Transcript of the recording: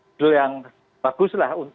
judul yang baguslah